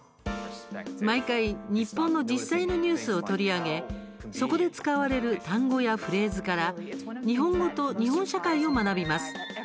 毎回、日本の実際のニュースを取り上げ、そこで使われる単語やフレーズから日本語と日本社会を学びます。